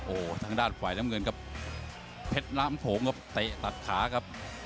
โอ้โหทางด้านฝ่ายน้ำเงินครับเพชรน้ำโขงครับเตะตัดขาครับ